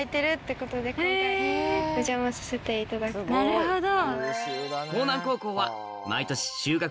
なるほど。